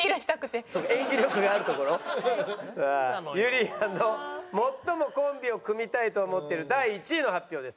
さあゆりやんの最もコンビを組みたいと思っている第１位の発表です。